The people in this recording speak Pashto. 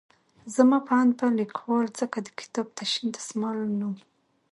زما په اند به ليکوال ځکه د کتاب ته شين دسمال نوم